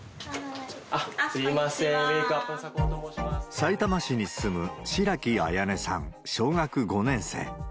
さいたま市に住む白木礼音さん、小学５年生。